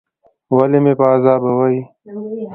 ولي مې په عذابوې ؟